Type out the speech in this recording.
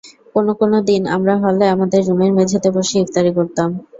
কোনো কোনো দিন আমরা হলে আমাদের রুমের মেঝেতে বসে ইফতারি করতাম।